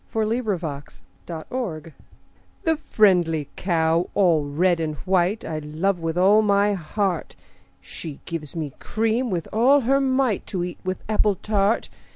XXIII The Cow The friendly cow all red and white, I love with all my heart: She gives me cream with all her might, To eat with apple tart.